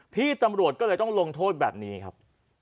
พี่ตำรวจก็เลยต้องลงโทษแบบนี้ครับ